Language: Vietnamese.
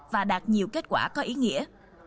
và đạt nhiều kết quả có ý nghĩa